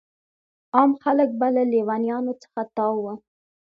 عام خلک به له لیونیانو څخه تاو وو.